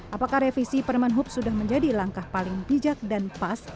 apakah revisi permen hub sudah menjadi langkah paling bijak dan pas